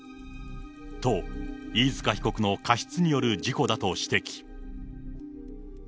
と、飯塚被告の過失による事故だと指摘。